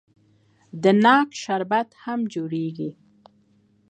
د ناک شربت هم جوړیږي.